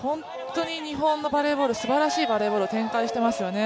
日本のバレーボール、すばらしいバレーボールを展開していますよね。